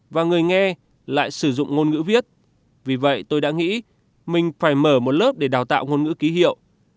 và người nghe lại sử dụng ngôn ngữ viết vì vậy tôi đã nghĩ mình phải mở một lớp để đào tạo ngôn ngữ ký hiệu